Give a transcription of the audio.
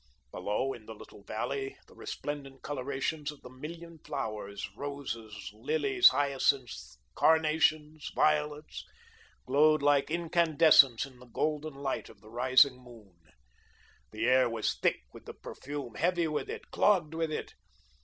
Below, in the little valley, the resplendent colourations of the million flowers, roses, lilies, hyacinths, carnations, violets, glowed like incandescence in the golden light of the rising moon. The air was thick with the perfume, heavy with it, clogged with it.